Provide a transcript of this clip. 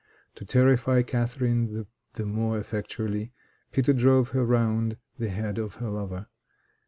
To terrify Catharine the more effectually, Peter drove her round the head of her lover.